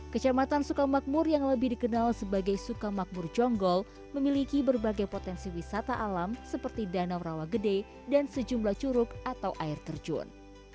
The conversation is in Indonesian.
kecamatan sukamakmur yang lebih dikenal sebagai sukamakmur jonggol memiliki berbagai potensi wisata alam seperti danau rawa gede dan sejumlah curug atau air terjun